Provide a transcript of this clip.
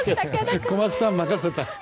小松さん、任せた。